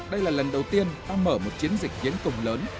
đây là lần đầu tiên ta mở một chiến dịch tiến công lớn